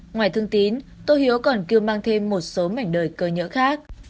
ngoài thường tín tô hiếu còn cứu mang thêm một số mảnh đời cơ nhỡ khác